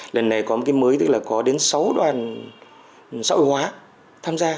lần này có một cái mới tức là có đến sáu đoàn xã hội hóa tham gia